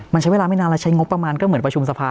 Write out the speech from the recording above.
มันใช้เวลาไม่นานแล้วใช้งบประมาณก็เหมือนประชุมสภา